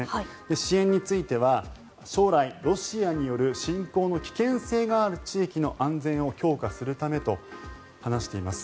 支援については将来、ロシアによる侵攻の危険性がある地域の安全を強化するためと話しています。